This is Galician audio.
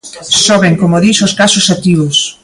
Soben, como dis, os casos activos.